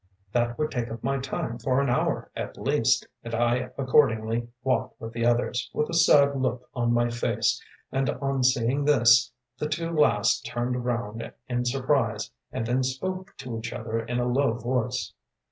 That would take up my time for an hour, at least, and I accordingly walked with the others, with a sad look on my face, and, on seeing this, the two last turned round in surprise, and then spoke to each other in a low voice.